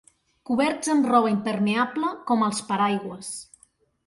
Coberts amb roba impermeable, com els paraigües.